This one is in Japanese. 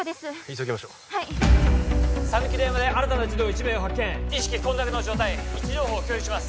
急ぎましょうはい三ノ木戸山で新たな児童１名を発見意識混濁の状態位置情報を共有します